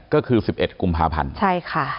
ก็คือ๑๑กุมภาพันธ์ใช่ค่ะ